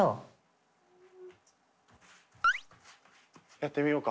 やってみようか。